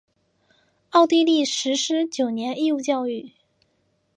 奥地利实施九年义务教育。